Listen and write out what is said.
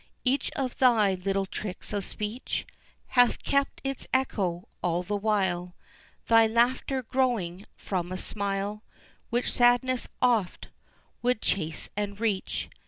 Each of thy little tricks of speech Hath kept its echo all the while, Thy laughter growing from a smile Which sadness oft would chase and reach.